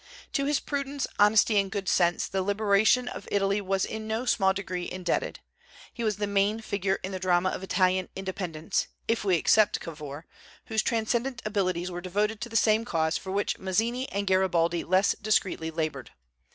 To his prudence, honesty, and good sense, the liberation of Italy was in no small degree indebted. He was the main figure in the drama of Italian independence, if we except Cavour, whose transcendent abilities were devoted to the same cause for which Mazzini and Garibaldi less discreetly labored.